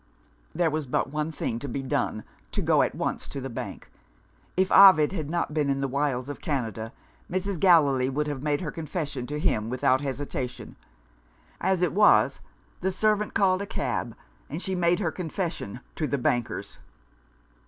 There was but one thing to be done to go at once to the bank. If Ovid had not been in the wilds of Canada, Mrs. Gallilee would have made her confession to him without hesitation. As it was, the servant called a cab, and she made her confession to the bankers.